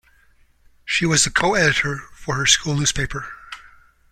She was the co-editor for her school newspaper.